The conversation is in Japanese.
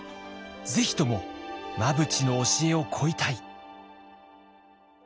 ぜひとも真淵の教えを請いたい。